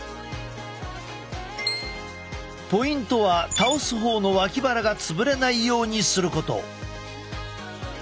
ポイントは倒す方の脇腹が潰れないようにすること。